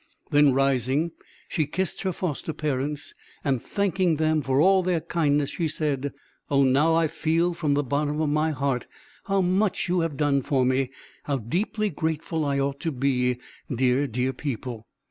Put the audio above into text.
Then rising, she kissed her foster parents, and thanking them for all their kindness, she said: "Oh, now I feel from the bottom of my heart how much you have done for me, how deeply grateful I ought to be, dear, dear people!"